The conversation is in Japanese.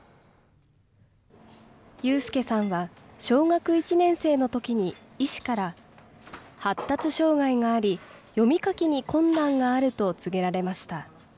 有祐さんは小学１年生のときに、医師から発達障害があり、読み書きに困難があると告げられました。